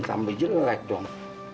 tambah jelek dong